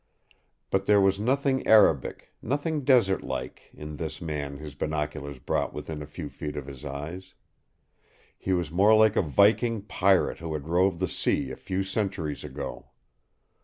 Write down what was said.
But there was nothing Arabic, nothing desert like, in this man his binoculars brought within a few feet of his eyes. He was more like a viking pirate who had roved the sea a few centuries ago.